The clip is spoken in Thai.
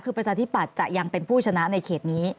คือประชาธิปัตย์จะยังเป็นผู้ชนะในเขตนี้